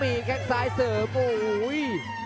มีแค่งซ้ายเสริมอุ้ย